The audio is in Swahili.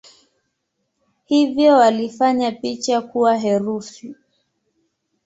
Hivyo walifanya picha kuwa herufi.